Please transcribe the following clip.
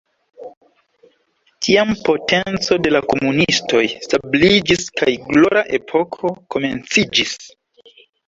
Tiam potenco de la komunistoj stabiliĝis kaj "glora epoko" komenciĝis.